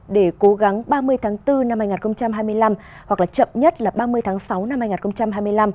để cố gắng ba mươi tháng bốn năm hai nghìn hai mươi năm hoặc chậm nhất là ba mươi tháng sáu năm hai nghìn hai mươi năm